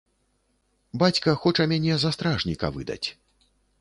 Бацька хоча мяне за стражніка выдаць.